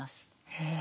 へえ。